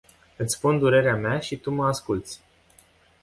Iti spun durerea mea si tu ma asculti.